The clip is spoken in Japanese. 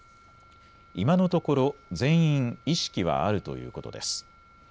今のところ全員、意識はあるということです。